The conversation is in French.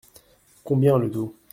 Combien le tout ?